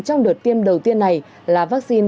trong đợt tiêm đầu tiên này là vaccine